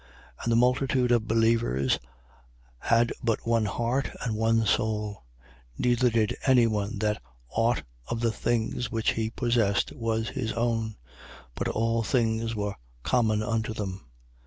4:32. And the multitude of believers had but one heart and one soul. Neither did any one say that aught of the things which he possessed was his own: but all things were common unto them.